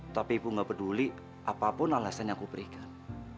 tapi ibu nggak peduli apapun alasan yang aku berikan